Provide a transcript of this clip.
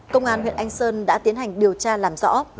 công an huyện anh sơn đã tiến hành điều tra làm rõ